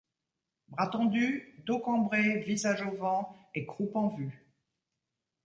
Bras tendu, dos cambré, visage au vent et croupe en vue.